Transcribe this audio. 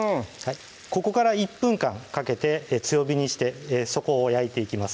ここから１分間かけて強火にして底を焼いていきます